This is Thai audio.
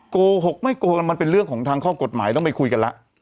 โกหกไม่โกงมันเป็นเรื่องของทางข้อกฎหมายต้องไปคุยกันแล้ว